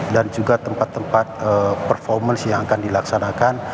dan juga tempat tempat performance yang akan dilaksanakan